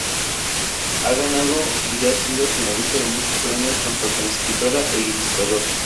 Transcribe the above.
Ha ganado o ha sido finalista de muchos premios tanto como escritora e ilustradora.